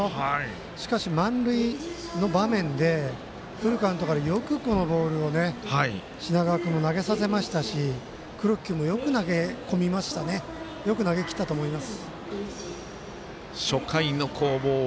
しかし、満塁の場面でフルカウントからよくこのボールを品川君も投げさせましたし、黒木君もよく投げきったと思います。